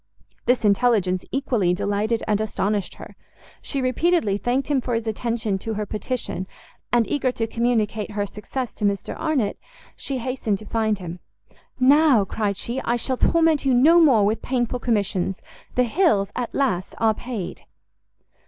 This intelligence equally delighted and astonished her; she repeatedly thanked him for his attention to her petition, and, eager to communicate her success to Mr Arnott, she hastened to find him. "Now," cried she, "I shall torment you no more with painful commissions; the Hills, at last, are paid!"